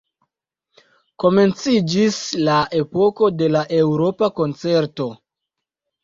Komenciĝis la epoko de la Eŭropa Koncerto.